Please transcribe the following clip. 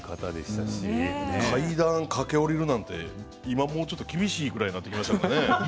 階段駆け下りるなんて、今もうちょっと厳しくなってきましたからね。